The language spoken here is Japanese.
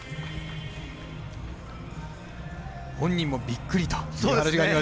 本人もびっくりと。